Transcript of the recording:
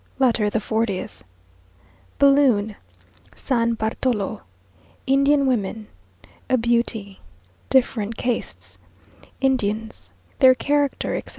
LETTER THE FORTIETH Balloon San Bartolo Indian Women A Beauty Different Castes Indians Their Character, etc.